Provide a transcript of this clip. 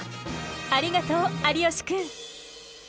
ありがとう有吉くん。